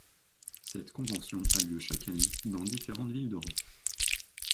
Cette convention a lieu chaque année dans différentes villes d'Europe.